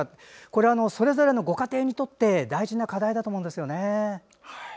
これは、それぞれのご家庭にとって大事な課題だと思いますね。